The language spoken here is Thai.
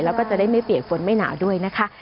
แล้วก็จะได้ไม่เปียกฝนไม่หนาวด้วยนะคะ